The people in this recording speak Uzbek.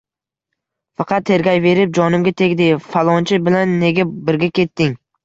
Faqat tergayverib jonimga tegdi: falonchi bilan nega birga ketding